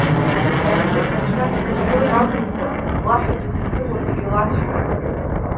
Иахсырҟьацәар ҳәа сшәоит акәымзар, лаҳәатәыс исымоу зегьы ласҳәар.